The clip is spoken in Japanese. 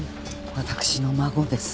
私の孫です。